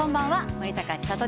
森高千里です。